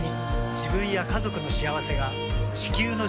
自分や家族の幸せが地球の幸せにつながっている。